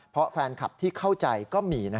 เพราะแฟนคลับที่เข้าใจก็มี